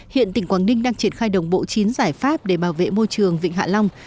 hiện tỉnh quảng ninh đang triển khai đồng bộ chín giải pháp để bảo vệ môi trường vịnh hạ long